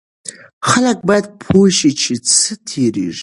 خلک باید پوه شي چې څه تیریږي.